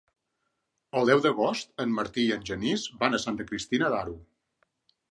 El deu d'agost en Martí i en Genís van a Santa Cristina d'Aro.